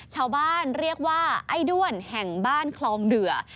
ชาวบ้านเรียกว่าไอ้ด้วนแห่งบ้านคลองเดือ